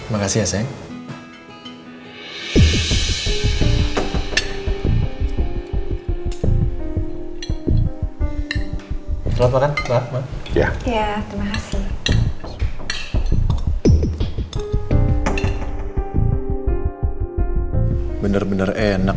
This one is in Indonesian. masakan yang terbaik